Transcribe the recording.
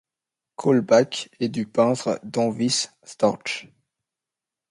Kaulbach et du peintre Danvis Storch.